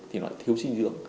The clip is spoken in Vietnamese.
thì họ thiếu suy dưỡng